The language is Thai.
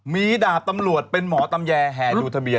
มีดาบตำรวจเป็นหมอตำแยแห่ดูทะเบีย